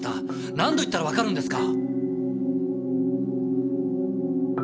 何度言ったらわかるんですか！